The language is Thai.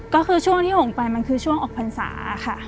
ก็คือช่วงที่หงไปมันคือช่วงออกพรรษาค่ะ